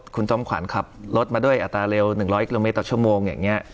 คุณจอมขวัญขับรถมาด้วยอัตราเร็วหนึ่งร้อยกรมเมตรชั่วโมงอย่างเงี้ย